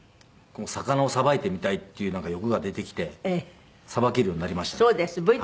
魚をさばいてみたいっていうなんか欲が出てきてさばけるようになりましたね。